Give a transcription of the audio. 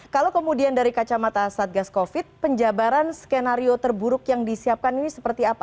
kalau kemudian dari kacamata satgas covid penjabaran skenario terburuk yang disiapkan ini seperti apa